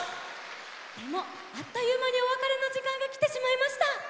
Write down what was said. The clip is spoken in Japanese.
でもあっというまにおわかれのじかんがきてしまいました。